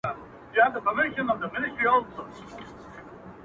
دوامداره هڅه سترې پایلې زېږوي.